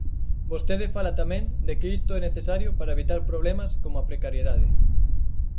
Vostede fala tamén de que isto é necesario para evitar problemas como a precariedade.